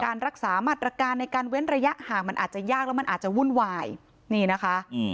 รักษามาตรการในการเว้นระยะห่างมันอาจจะยากแล้วมันอาจจะวุ่นวายนี่นะคะ